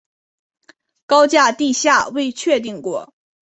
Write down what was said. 高架地下未确定过。